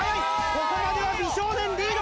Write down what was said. ここまでは美少年リード！